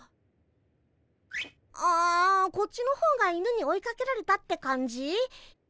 あこっちの方が犬に追いかけられたって感じ。